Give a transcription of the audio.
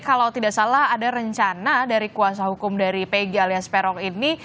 kalau tidak salah ada rencana dari kuasa hukum dari pg alias peron ini